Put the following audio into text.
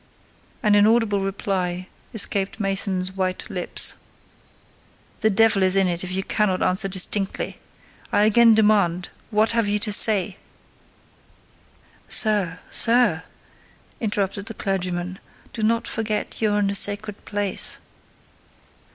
An inaudible reply escaped Mason's white lips. "The devil is in it if you cannot answer distinctly. I again demand, what have you to say?" "Sir—sir," interrupted the clergyman, "do not forget you are in a sacred place."